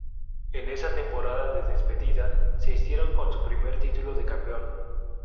En esa temporada de despedida, se hicieron con su primer título de campeón.